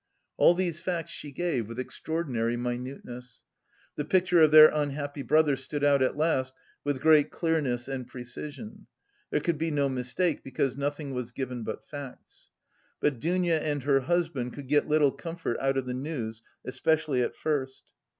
All these facts she gave with extraordinary minuteness. The picture of their unhappy brother stood out at last with great clearness and precision. There could be no mistake, because nothing was given but facts. But Dounia and her husband could get little comfort out of the news, especially at first.